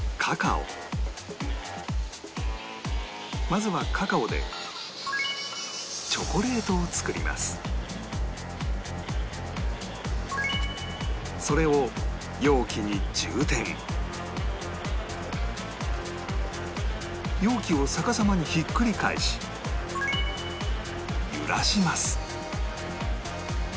まずはカカオでそれを容器を逆さまにひっくり返し揺らします